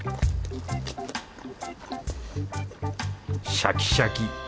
シャキシャキ。